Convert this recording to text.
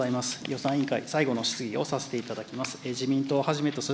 予算委員会、最後の質疑をさせていただきます。